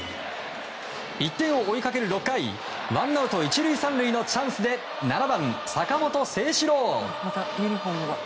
１点を追いかける６回ワンアウト１塁３塁のチャンスで７番、坂本誠志郎。